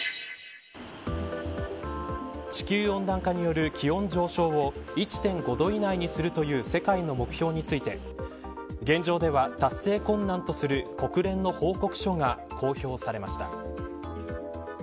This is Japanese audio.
地球温暖化による気温上昇を１．５度以内にするという世界の目標について現状では達成困難とする国連の報告書が公表されました。